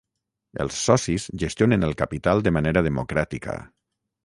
Els socis gestionen el capital de manera democràtica.